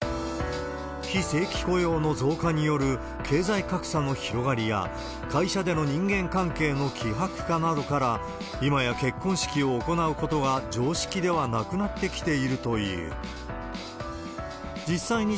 非正規雇用の増加による経済格差の広がりや、会社での人間関係の希薄化などから、今や結婚式を行うことは常識的ではなくなってきているという。